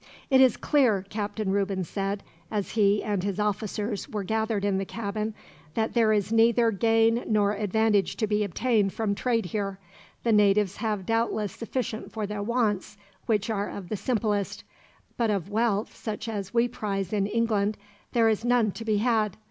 "It is clear," Captain Reuben said, as he and his officers were gathered in the cabin, "that there is neither gain nor advantage to be obtained from trade here. The natives have doubtless sufficient for their wants, which are of the simplest; but of wealth such as we prize in England there is none to be had.